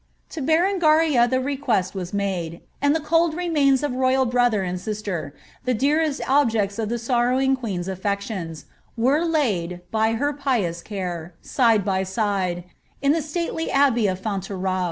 To Berengaria the request was made, and the cold remains of the royal brother and sister, the dearest objects of the sorrowing queen's aflections, were laid, by her pious care, side by side, in the stately abbey of Fontevraud.'